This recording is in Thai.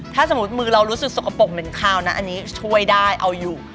ถ้าสมมุติมือเรารู้สึกสกปรกหนึ่งคาวนะอันนี้ช่วยได้เอาอยู่